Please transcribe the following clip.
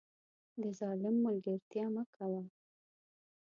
د ظالم ملګرتیا مه کوه